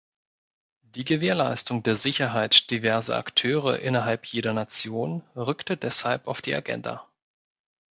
Die Gewährleistung der Sicherheit diverser Akteure innerhalb jeder Nation rückte deshalb auf die Agenda.